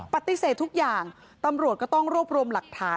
ปฏิเสธทุกอย่างตำรวจก็ต้องรวบรวมหลักฐาน